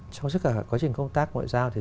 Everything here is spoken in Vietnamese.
trong suốt cả quá trình công tác ngoại giao của mình